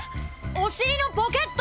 お尻のポケット！